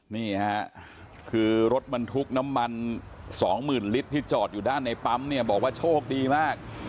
นี่ค่ะคือรถบรรทุกน้ำมัน๒๐๐๐ลิตรที่จอดอยู่ด้านในปั๊มเนี่ยบอกว่าโชคดีมาก